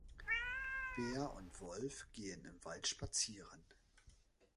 Bär und Wolf gehen im Wald spazieren.